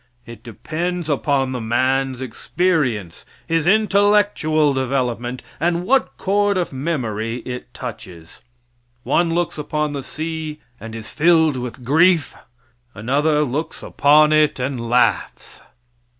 It depends upon the man's experience, his intellectual development, and what chord of memory it touches. One looks upon the sea and is filled with grief; another looks upon it and laughs.